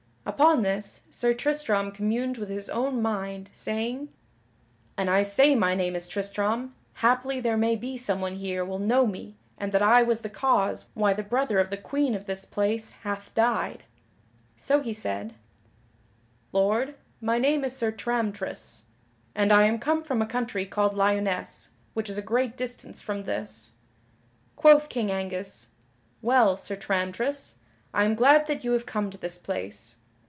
Upon this, Sir Tristram communed within his own mind, saying: "An I say my name is Tristram, haply there may be someone here will know me and that I was the cause why the brother of the Queen of this place hath died." So he said: "Lord, my name is Sir Tramtris, and I am come from a country called Lyonesse, which is a great distance from this." Quoth King Angus, "Well, Sir Tramtris, I am glad that you have come to this place.